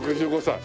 ６５歳。